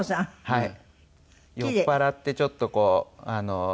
はい。